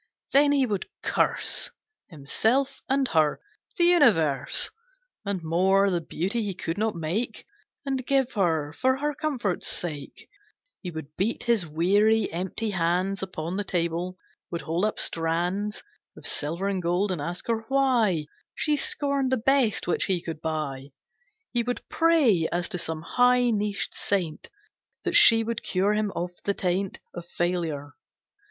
Then he would curse Himself and her! The Universe! And more, the beauty he could not make, And give her, for her comfort's sake! He would beat his weary, empty hands Upon the table, would hold up strands Of silver and gold, and ask her why She scorned the best which he could buy. He would pray as to some high niched saint, That she would cure him of the taint Of failure.